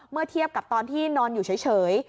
เมื่อเทียบกับตอนที่นอนอยู่เฉย